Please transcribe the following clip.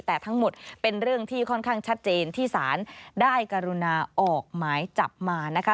แต่ทั้งหมดเป็นเรื่องที่ค่อนข้างชัดเจนที่ศาลได้กรุณาออกหมายจับมานะคะ